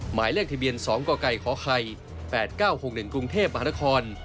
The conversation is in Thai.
หมายเลขทะเบียน๒กกขไข่๘๙๖๑กรุงเทพมหานคร